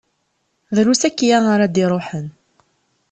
Drus akya ara d-iṛuḥen.